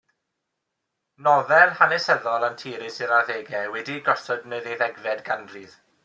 Nofel hanesyddol anturus i'r arddegau, wedi ei gosod yn y ddeuddegfed ganrif.